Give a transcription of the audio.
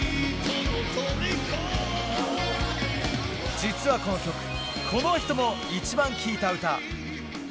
実はこの曲、この人もイチバン聴いた歌。